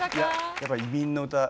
やっぱり「移民の歌」